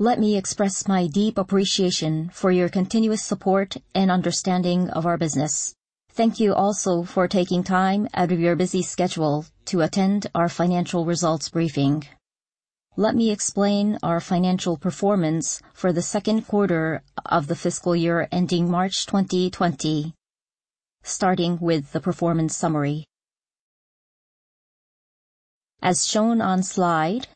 Let me express my deep appreciation for your continuous support and understanding of our business. Thank you also for taking time out of your busy schedule to attend our financial results briefing. Let me explain our financial performance for the second quarter of the fiscal year ending March 2020, starting with the performance summary. As shown on slide,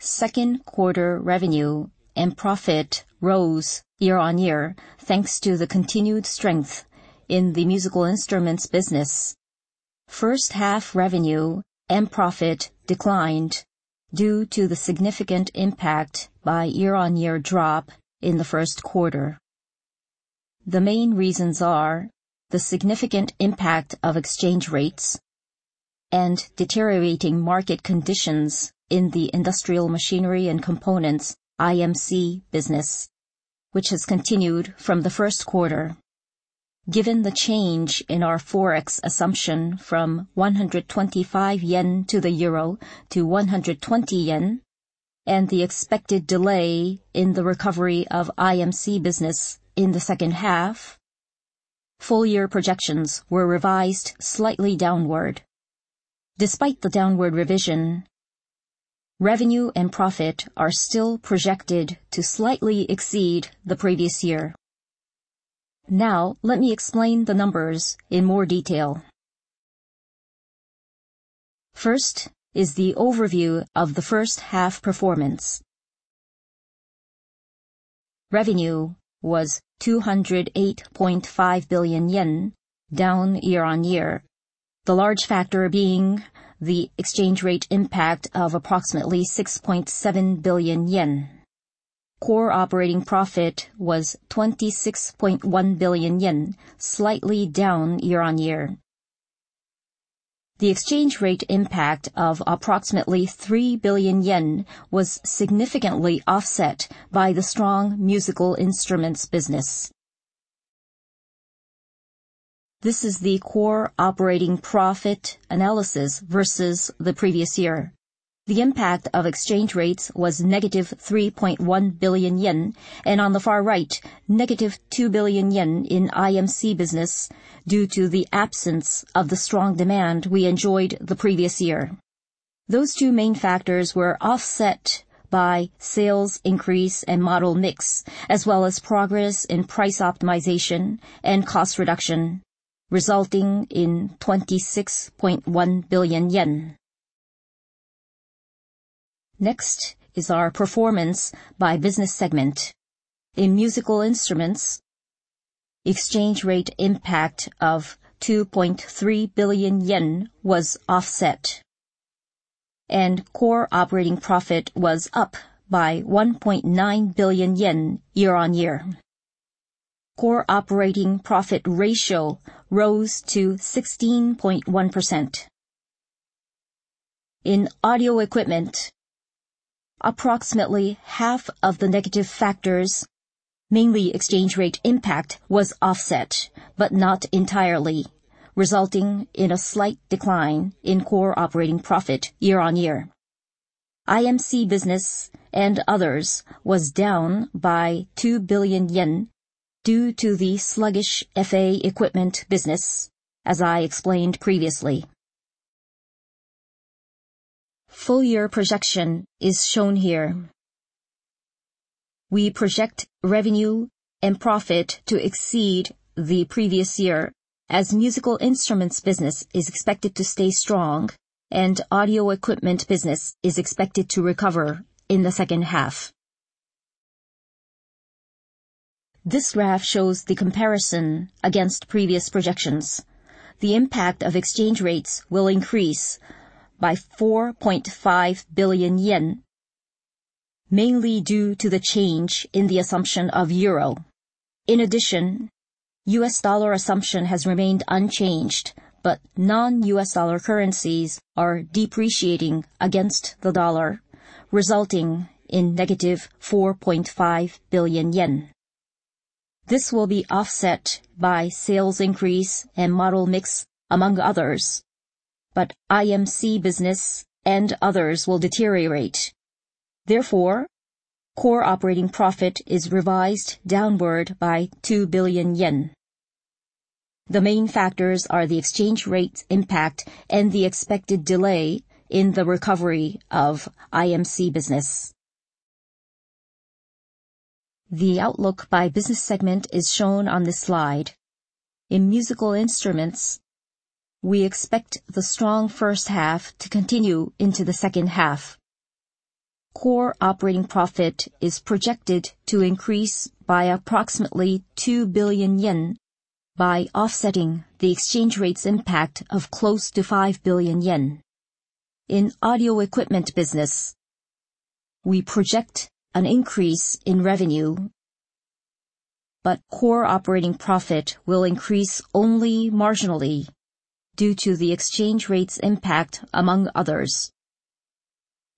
second quarter revenue and profit rose year-on-year, thanks to the continued strength in the musical instruments business. First half revenue and profit declined due to the significant impact by year-on-year drop in the first quarter. The main reasons are the significant impact of exchange rates and deteriorating market conditions in the Industrial Machinery and Components, IMC business, which has continued from the first quarter. Given the change in our forex assumption from 125 yen to the euro to 120 yen, and the expected delay in the recovery of IMC business in the second half, full year projections were revised slightly downward. Despite the downward revision, revenue and profit are still projected to slightly exceed the previous year. Now, let me explain the numbers in more detail. First is the overview of the first half performance. Revenue was 208.5 billion yen, down year-on-year. The large factor being the exchange rate impact of approximately 6.7 billion yen. Core operating profit was 26.1 billion yen, slightly down year-on-year. The exchange rate impact of approximately 3 billion yen was significantly offset by the strong musical instruments business. This is the core operating profit analysis versus the previous year. The impact of exchange rates was -3.1 billion yen, and on the far right, -2 billion yen in IMC business due to the absence of the strong demand we enjoyed the previous year. Those two main factors were offset by sales increase and model mix, as well as progress in price optimization and cost reduction, resulting in JPY 26.1 billion. Next is our performance by business segment. In musical instruments, exchange rate impact of 2.3 billion yen was offset, and core operating profit was up by 1.9 billion yen year-on-year. Core operating profit ratio rose to 16.1%. In audio equipment, approximately half of the negative factors, mainly exchange rate impact, was offset, but not entirely, resulting in a slight decline in core operating profit year-on-year. IMC business and others was down by 2 billion yen due to the sluggish FA equipment business, as I explained previously. Full year projection is shown here. We project revenue and profit to exceed the previous year as musical instruments business is expected to stay strong and audio equipment business is expected to recover in the second half. This graph shows the comparison against previous projections. The impact of exchange rates will increase by 4.5 billion yen, mainly due to the change in the assumption of EUR. In addition, U.S. dollar assumption has remained unchanged, but non-U.S. dollar currencies are depreciating against the dollar, resulting in -4.5 billion yen. This will be offset by sales increase and model mix, among others. IMC business and others will deteriorate. Therefore, core operating profit is revised downward by 2 billion yen. The main factors are the exchange rate impact and the expected delay in the recovery of IMC business. The outlook by business segment is shown on this slide. In musical instruments, we expect the strong first half to continue into the second half. Core operating profit is projected to increase by approximately 2 billion yen by offsetting the exchange rate's impact of close to 5 billion yen. In audio equipment business, we project an increase in revenue, but Core operating profit will increase only marginally due to the exchange rate's impact, among others.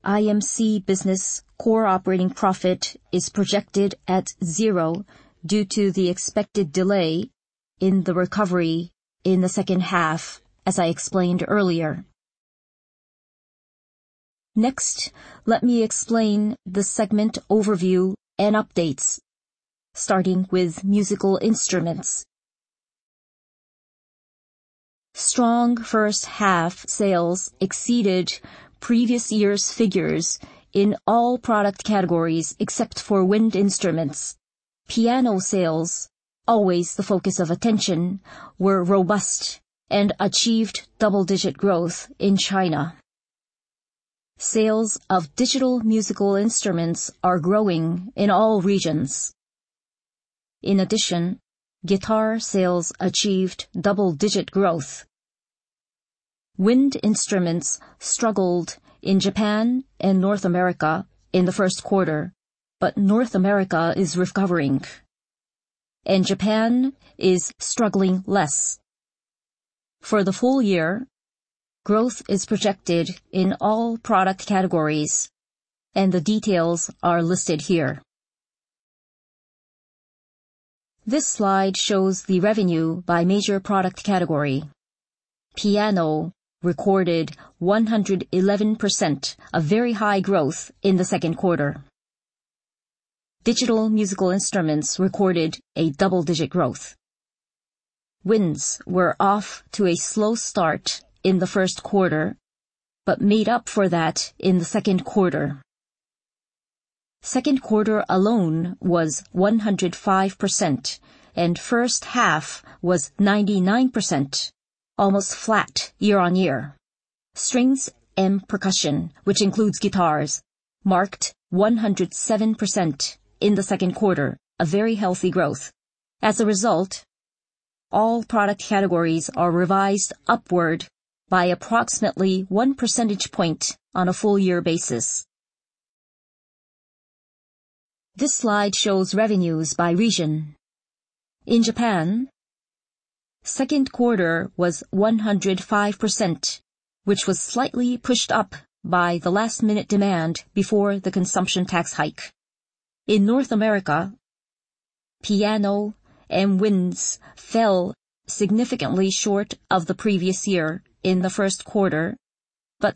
IMC Business Core operating profit is projected at zero due to the expected delay in the recovery in the second half, as I explained earlier. Let me explain the segment overview and updates, starting with musical instruments. Strong first-half sales exceeded previous year's figures in all product categories except for wind instruments. Piano sales, always the focus of attention, were robust and achieved double-digit growth in China. Sales of digital musical instruments are growing in all regions. Guitar sales achieved double-digit growth. Wind instruments struggled in Japan and North America in the first quarter, but North America is recovering, and Japan is struggling less. For the full year, growth is projected in all product categories, and the details are listed here. This slide shows the revenue by major product category. Piano recorded 111%, a very high growth in the second quarter. Digital musical instruments recorded a double-digit growth. Winds were off to a slow start in the first quarter but made up for that in the second quarter. Second quarter alone was 105%, and first half was 99%, almost flat year-on-year. Strings and percussion, which includes guitars, marked 107% in the second quarter, a very healthy growth. As a result, all product categories are revised upward by approximately one percentage point on a full year basis. This slide shows revenues by region. In Japan, second quarter was 105%, which was slightly pushed up by the last-minute demand before the consumption tax hike. In North America, piano and winds fell significantly short of the previous year in the first quarter,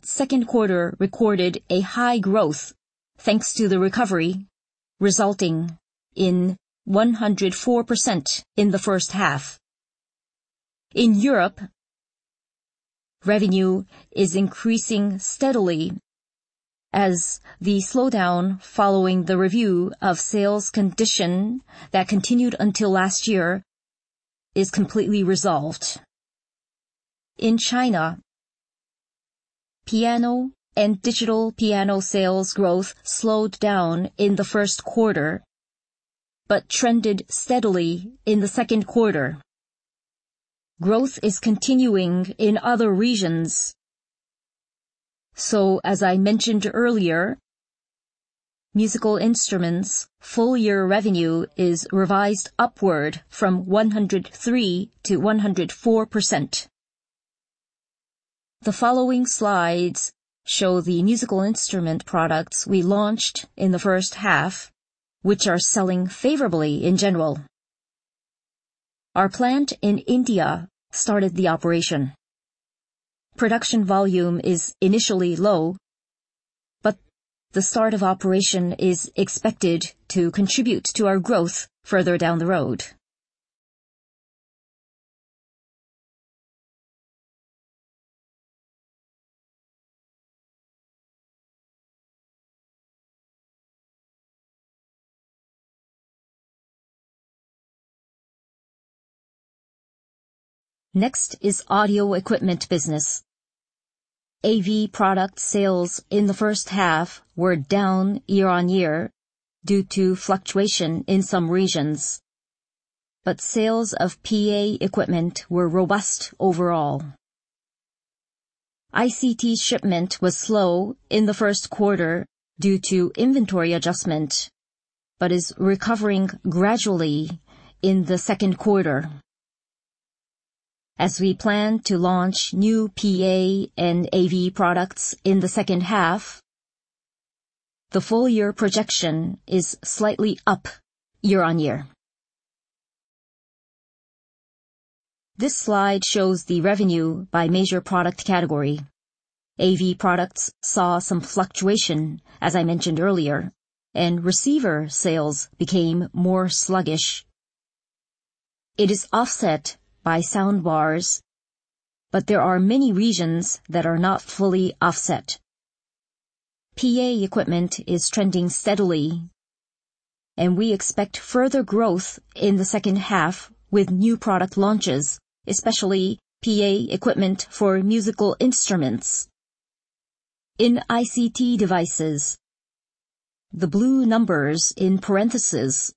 second quarter recorded a high growth thanks to the recovery, resulting in 104% in the first half. In Europe, revenue is increasing steadily as the slowdown following the review of sales condition that continued until last year is completely resolved. In China, piano and digital piano sales growth slowed down in the first quarter but trended steadily in the second quarter. Growth is continuing in other regions. As I mentioned earlier, musical instruments' full year revenue is revised upward from 103% to 104%. The following slides show the musical instrument products we launched in the first half, which are selling favorably in general. Our plant in India started the operation. Production volume is initially low, but the start of operation is expected to contribute to our growth further down the road. Next is audio equipment business. AV product sales in the first half were down year-on-year due to fluctuation in some regions, but sales of PA equipment were robust overall. ICT shipment was slow in the first quarter due to inventory adjustment but is recovering gradually in the second quarter. As we plan to launch new PA and AV products in the second half, the full year projection is slightly up year-on-year. This slide shows the revenue by major product category. AV products saw some fluctuation, as I mentioned earlier, and receiver sales became more sluggish. It is offset by soundbars, but there are many regions that are not fully offset. PA equipment is trending steadily, and we expect further growth in the second half with new product launches, especially PA equipment for musical instruments. In ICT devices, the blue numbers in parentheses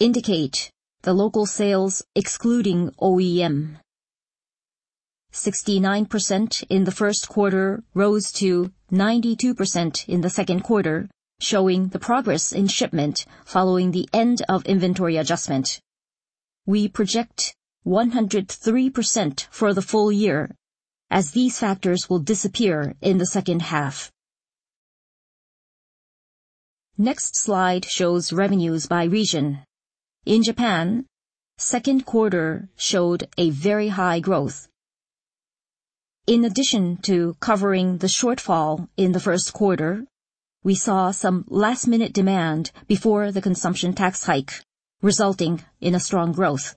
indicate the local sales excluding OEM. 69% in the first quarter rose to 92% in the second quarter, showing the progress in shipment following the end of inventory adjustment. We project 103% for the full year as these factors will disappear in the second half. Next slide shows revenues by region. In Japan, second quarter showed a very high growth. In addition to covering the shortfall in the first quarter, we saw some last-minute demand before the consumption tax hike, resulting in a strong growth.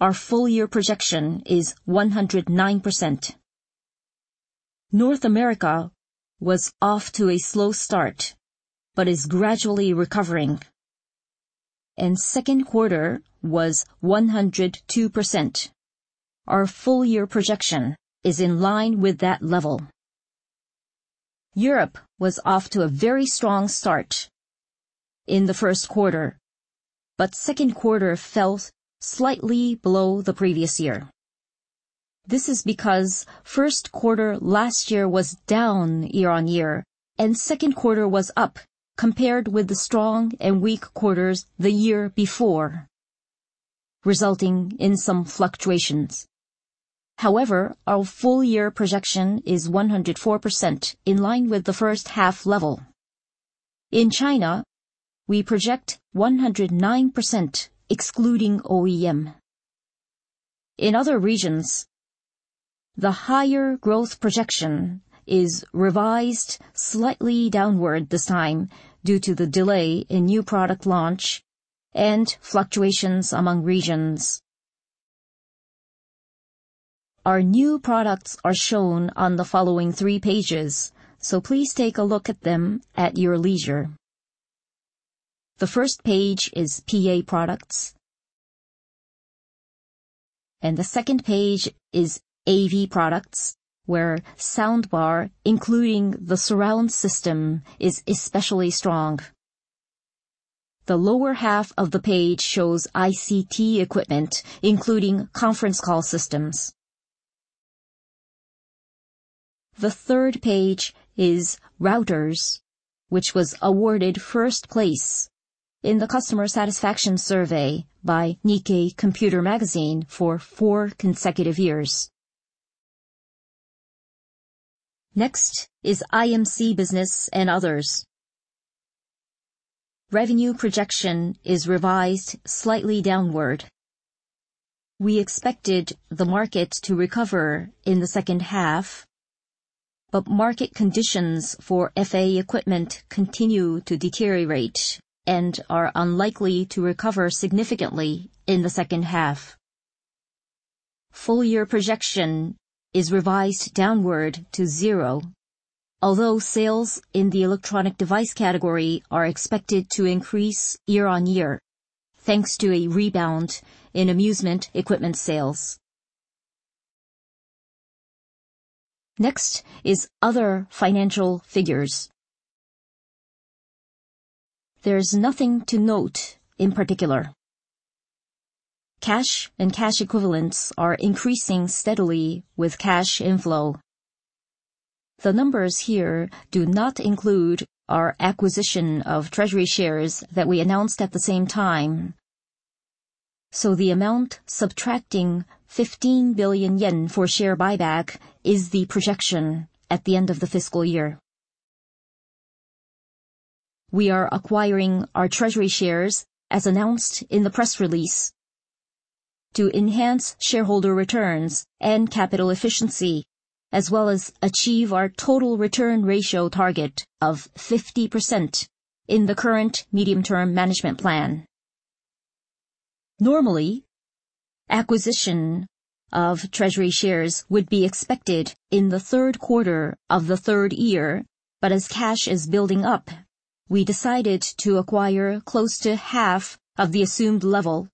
Our full year projection is 109%. North America was off to a slow start, but is gradually recovering. Second quarter was 102%. Our full year projection is in line with that level. Europe was off to a very strong start in the first quarter. Second quarter fell slightly below the previous year. This is because first quarter last year was down year-on-year, and second quarter was up compared with the strong and weak quarters the year before, resulting in some fluctuations. Our full year projection is 104%, in line with the first half level. In China, we project 109%, excluding OEM. In other regions, the higher growth projection is revised slightly downward this time due to the delay in new product launch and fluctuations among regions. Our new products are shown on the following three pages, so please take a look at them at your leisure. The first page is PA products. The second page is AV products, where sound bar, including the surround system, is especially strong. The lower half of the page shows ICT equipment, including conference call systems. The third page is routers, which was awarded first place in the customer satisfaction survey by Nikkei Computer magazine for four consecutive years. Next is IMC business and others. Revenue projection is revised slightly downward. We expected the market to recover in the second half, but market conditions for FA equipment continue to deteriorate and are unlikely to recover significantly in the second half. Full year projection is revised downward to zero, although sales in the electronic device category are expected to increase year-on-year, thanks to a rebound in amusement equipment sales. Next is other financial figures. There is nothing to note in particular. Cash and cash equivalents are increasing steadily with cash inflow. The numbers here do not include our acquisition of treasury shares that we announced at the same time. The amount subtracting 15 billion yen for share buyback is the projection at the end of the fiscal year. We are acquiring our treasury shares as announced in the press release to enhance shareholder returns and capital efficiency, as well as achieve our total return ratio target of 50% in the current Medium-Term Management Plan. Normally, acquisition of treasury shares would be expected in the third quarter of the third year, but as cash is building up, we decided to acquire close to half of the assumed level,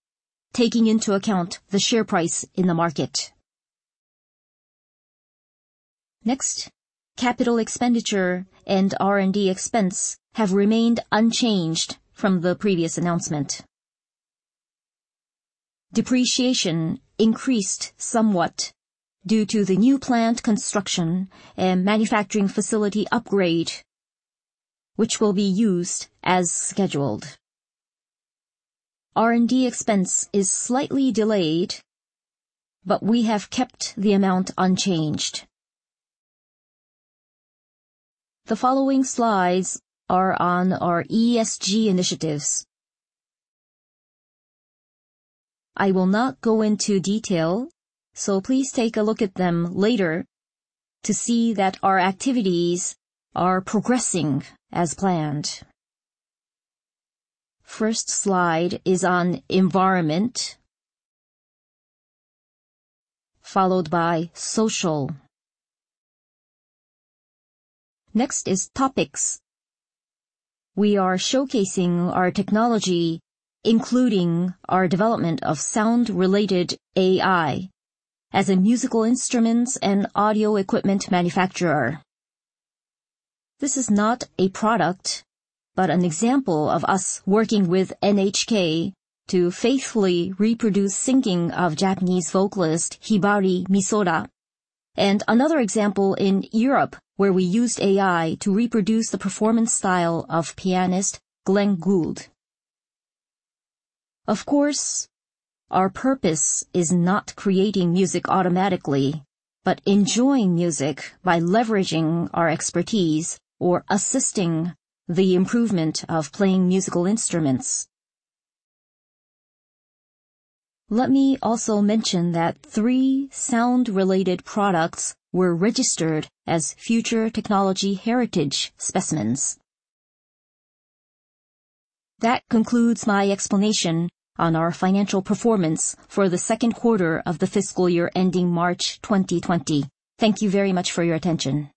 taking into account the share price in the market. Capital expenditure and R&D expense have remained unchanged from the previous announcement. Depreciation increased somewhat due to the new plant construction and manufacturing facility upgrade, which will be used as scheduled. R&D expense is slightly delayed, but we have kept the amount unchanged. The following slides are on our ESG initiatives. I will not go into detail, so please take a look at them later to see that our activities are progressing as planned. First slide is on environment, followed by social. Next is topics. We are showcasing our technology, including our development of sound-related AI, as a musical instruments and audio equipment manufacturer. This is not a product, but an example of us working with NHK to faithfully reproduce singing of Japanese vocalist Hibari Misora, and another example in Europe, where we used AI to reproduce the performance style of pianist Glenn Gould. Of course, our purpose is not creating music automatically, but enjoying music by leveraging our expertise or assisting the improvement of playing musical instruments. Let me also mention that three sound-related products were registered as Future Technology Heritage specimens. That concludes my explanation on our financial performance for the second quarter of the fiscal year ending March 2020. Thank you very much for your attention.